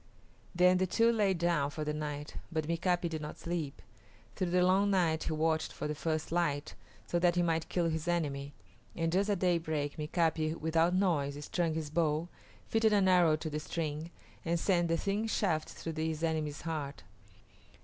Then the two lay down for the night, but Mika´pi did not sleep. Through the long night he watched for the first light, so that he might kill his enemy; and just at daybreak Mika´pi, without noise, strung his bow, fitted an arrow to the string, and sent the thin shaft through his enemy's heart.